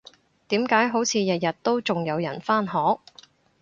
點解好似日日都仲有人返學？